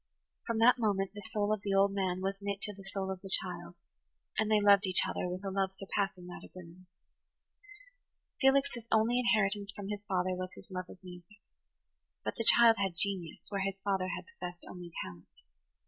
From that moment the soul of the old man was knit to the soul of the child, and they loved each other with a love surpassing that of women. Felix's only inheritance from his father was his love of music. But the child had genius, where his father had possessed only talent.